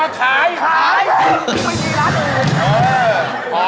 ราคาไม่แพง